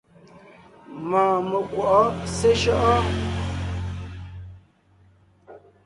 Mɔɔn mekwɔ̀’ɔ seshÿɔ́’ɔ?